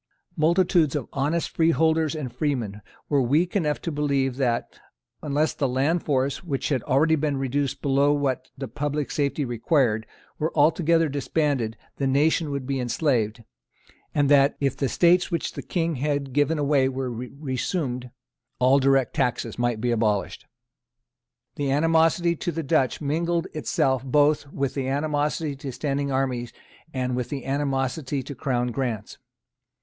Multitudes of honest freeholders and freemen were weak enough to believe that, unless the land force, which had already been reduced below what the public safety required, were altogether disbanded, the nation would be enslaved, and that, if the estates which the King had given away were resumed, all direct taxes might be abolished. The animosity to the Dutch mingled itself both with the animosity to standing armies and with the animosity to Crown grants.